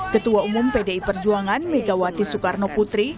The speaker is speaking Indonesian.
ketua umum pdi perjuangan megawati soekarno putri